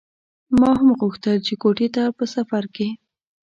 ما هم غوښتل چې کوټې ته په سفر کې.